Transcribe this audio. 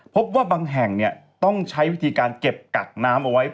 พบว่าบางแห่งต้องใช้วิธีการเก็บกักน้ำเอาไว้